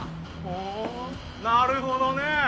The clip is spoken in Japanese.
ふんなるほどね。